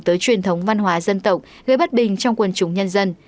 tới truyền thống văn hóa dân tộc gây bất bình trong quần chúng nhân dân